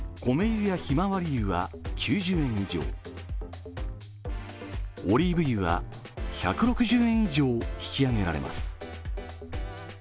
油やひまわり油は９０円以上、オリーブ油は１６０円以上、引き上げられます。